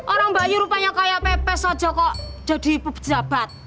orang mbak yu rupanya kayak pepes aja kok jadi ibu pejabat